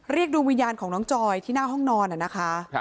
ดวงวิญญาณของน้องจอยที่หน้าห้องนอนนะคะ